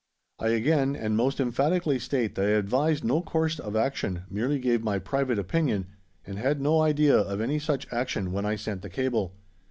I again and most emphatically state that I advised no course of action, merely gave my private opinion, and had no idea of any such action when I sent the cable.